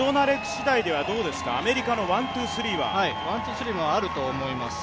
しだいではアメリカのワン・ツー・スリーはワン・ツー・スリーもあると思います。